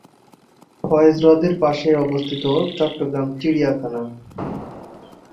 ফয়েজ হ্রদের পাশেই অবস্থিত চট্টগ্রাম চিড়িয়াখানা।